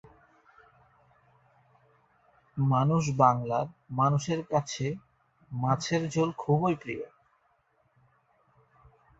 মানুষ বাংলার মানুষের কাছে মাছের ঝোল খুবই প্রিয়।